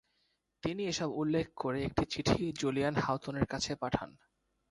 তিনি এসব উল্লেখ করে একটি চিঠি জুলিয়ান হাওতনের কাছে পাঠান।